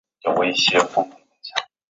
徐永宁孙。